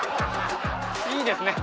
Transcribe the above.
いいですね。